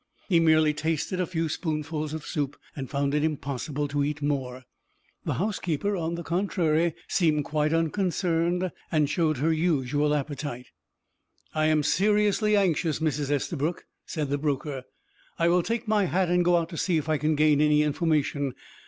He merely tasted a few spoonfuls of soup, and found it impossible to eat more. The housekeeper, on the contrary, seemed quite unconcerned, and showed her usual appetite. "I am seriously anxious, Mrs. Estabrook," said the broker. "I will take my hat and go out to see if I can gain any information.